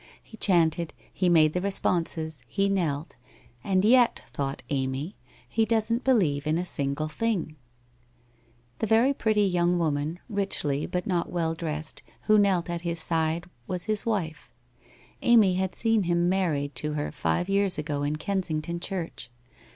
He chanted, he made the responses, he knelt —' and yet,' thought Amy, ' he doesn't believe in a single thing !' The very pretty young woman, richly but not well dressed, who knelt at his side was his wife; Amy had seen him married to her five years ago in Kensington church.